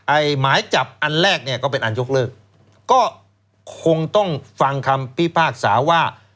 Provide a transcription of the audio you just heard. หมายจับอันแรกเนี่ยก็เป็นอันยกเลิกก็คงต้องฟังคำพิพากษาว่า